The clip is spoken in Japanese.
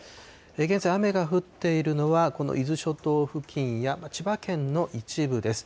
現在、雨が降っているのは、この伊豆諸島付近や千葉県の一部です。